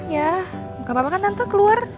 ya gapapa kan tante keluar